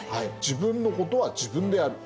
自分のことは自分でやる。